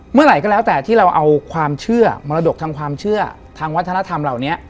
เมื่อไหร่ก็แล้วแต่ที่เราเอาความเชื่อมรดกทางความเชื่อทางวัฒนธรรมเหล่านี้